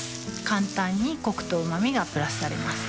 簡単にコクとうま味がプラスされます